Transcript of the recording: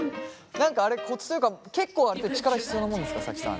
何かあれコツというか結構あれって力必要なもんですかＳａｋｉさん。